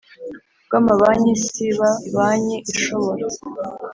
Rw amabanki sib banki ishobora